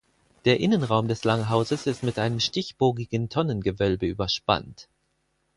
Der Innenraum des Langhauses ist mit einem stichbogigen Tonnengewölbe überspannt.